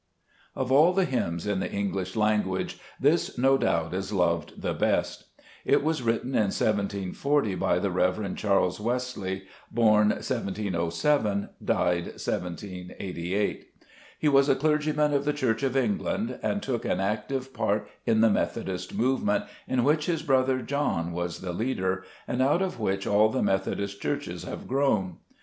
Of all hymns in the English language this, no doubt, is loved the best. It was written in 1740 by the Rev. Gbe JScet Cburcb f>smtt0. Charles Wesley; born 1707, died 1788. He was a clergyman of the Church of England, and took an active part in the Methodist movement, in which his brother John was the leader, and out of which all the Methodist churches have grown.